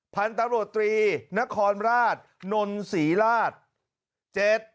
๖ผลตำรวจตรีนครราชนน่ะศรีราช